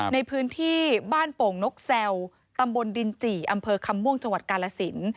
ในพื้นที่บ้านโป่งนกแซวตำบลดินจิอำเภอคำม่วงจังหวัดกาลสิน